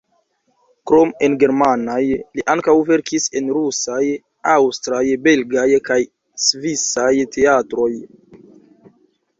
Krom en germanaj li ankaŭ verkis en rusaj, aŭstraj, belgaj kaj svisaj teatroj.